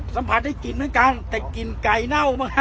สัมผัสได้กลิ่นเหมือนกันแต่กลิ่นไก่เน่ามาก